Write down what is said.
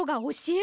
え！